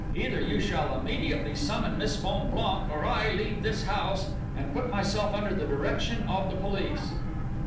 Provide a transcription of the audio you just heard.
Either you shall immediately summon Miss Fonblanque, or I leave this house and put myself under the direction of the police.